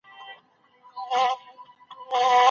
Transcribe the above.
په هره ټولنه کي چي ښځې ارامې وي، هغه ټولنه په امن کي وي.